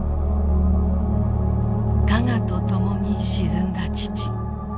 「加賀」とともに沈んだ父。